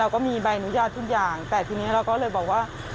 ก็มีใบอนุญาตทุกอย่างแต่ทีนี้เราก็เลยบอกว่า